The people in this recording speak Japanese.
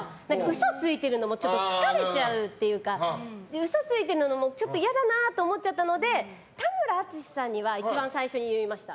嘘ついてるのもちょっと疲れちゃうっていうか嘘ついてんのもちょっと嫌だなと思っちゃったので田村淳さんには一番最初に言いました。